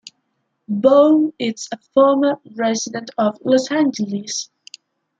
Baum is a former resident of Los Angeles.